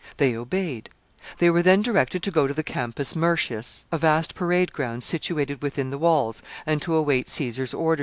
They obeyed. They were then directed to go to the Campus Martius, a vast parade ground situated within the walls, and to await Caesar's orders there.